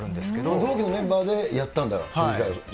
同期のメンバーでやったんだ。